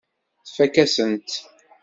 Tfakk-asent-t.